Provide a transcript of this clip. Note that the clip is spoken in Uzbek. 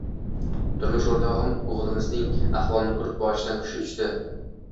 Turmush oʻrtogʻim oʻgʻlimizning ahvolini koʻrib, boshidan hushi uchdi.